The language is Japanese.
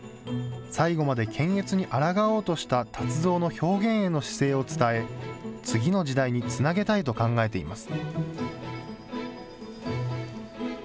最後まで検閲にあらがおうとした達三の表現への姿勢を伝え、次の時代につなげたいと考えています。